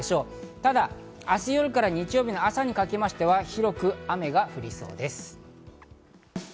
ただ明日夜から日曜日の朝にかけては広く雨が降りそうです。